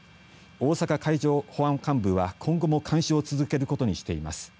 大阪海上保安監部は今後も監視を続けることにしています。